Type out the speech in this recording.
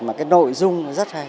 mà cái nội dung nó rất hay